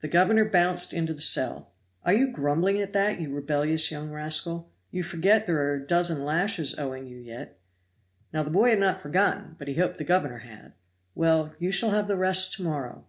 The governor bounced into the cell. "Are you grumbling at that, you rebellious young rascal? you forget there are a dozen lashes owing you yet." Now the boy had not forgotten, but he hoped the governor had. "Well, you shall have the rest to morrow."